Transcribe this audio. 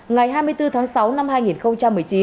ngày hai mươi bốn tháng sáu năm hai nghìn một mươi chín